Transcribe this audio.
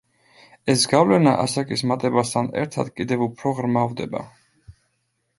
ეს გავლენა ასაკის მატებასთან ერთად, კიდევ უფრო ღრმავდება.